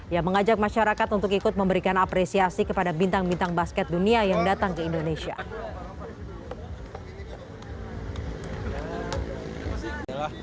yang mengajak masyarakat untuk ikut memberikan apresiasi kepada bintang bintang basket dunia yang datang ke indonesia